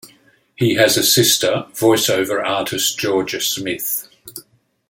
He has a sister, voice over artist Georgia Smith.